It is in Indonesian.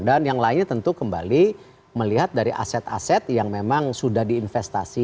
dan yang lainnya tentu kembali melihat dari aset aset yang memang sudah diinvestasi